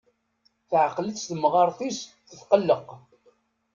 Teɛqel-itt temɣart-is tetqelleq.